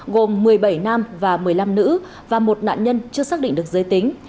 gồm một mươi bảy nam và một mươi năm nữ và một nạn nhân chưa xác định được giới tính